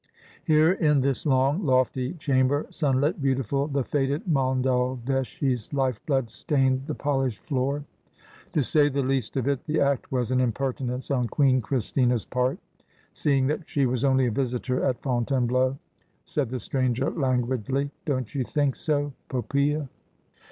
Here in this long, lofty chamber, sun lit, beautiful, the fated Monaldeschi's life blood stained the polished floor. ' To say the least of it, the act was an impertinence on Queen Christina's part, seeing that she was only a visitor at Fontainebleau,' said the stranger languidly. ' Don't you think so, Poppsea